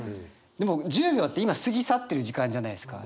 でも１０秒って今過ぎ去ってる時間じゃないですか。